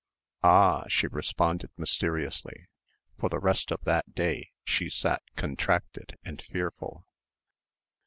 "Ah!" she responded mysteriously. For the rest of that day she sat contracted and fearful.